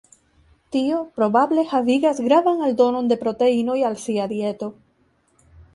Tio probable havigas gravan aldonon de proteinoj al sia dieto.